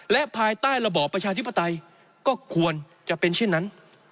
และภายใต้ระบอบประชาธิปไตยก็ควรจะเป็นเช่นนั้น